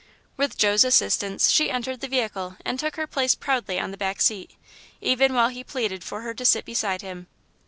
With Joe's assistance, she entered the vehicle and took her place proudly on the back seat, even while he pleaded for her to sit beside him.